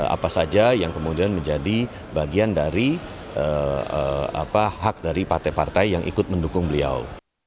apa saja yang kemudian menjadi bagian dari hak dari partai partai yang ikut mendukung beliau